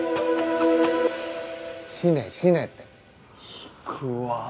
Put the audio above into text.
死ね死ねって・引くわ・